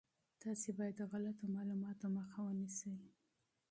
تاسي باید د غلطو معلوماتو مخه ونیسئ.